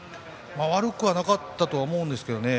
悪くはなかったと思うんですけどね。